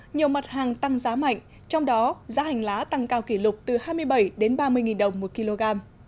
nhiều mặt hàng tăng giá mạnh trong đó giá hành lá tăng cao kỷ lục từ hai mươi bảy ba mươi đồng một kg